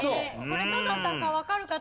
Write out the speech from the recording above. これどなたかわかる方？